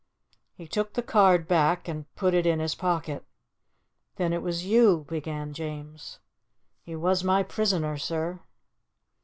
He took the card back, and put it in his pocket. "Then it was you " began James. "He was my prisoner, sir."